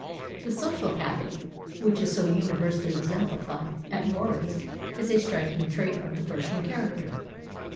The social habit, which is so universally exemplified at Noruz, is a striking trait of the Persian character.